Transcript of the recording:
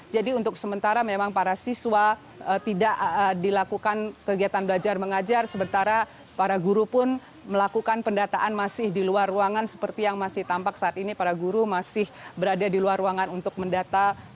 jadi untuk sementara memang para siswa tidak dilakukan kegiatan belajar mengajar sementara para guru pun melakukan pendataan masih di luar ruangan seperti yang masih tampak saat ini para guru masih berada di luar ruangan untuk mendata